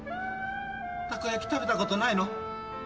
たこ焼き食べたことないの？